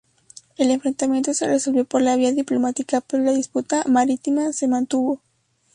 El enfrentamiento se resolvió por la vía diplomática, pero la disputa marítima se mantuvo.